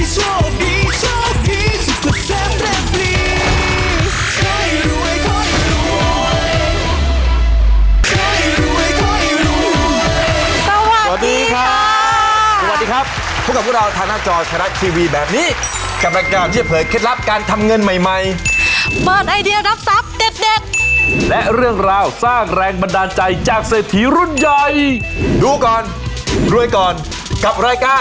สวัสดีครับ